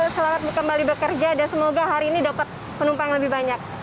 selamat kembali bekerja dan semoga hari ini dapat penumpang lebih banyak